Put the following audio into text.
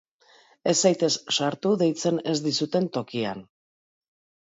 Ez zaitez sartu deitzen ez dizuten tokian.